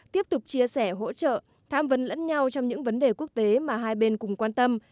tiếp tục chia sẻ hỗ trợ tham vấn lẫn nhau trong những vấn đề quốc tế mà hai bên cùng quan tâm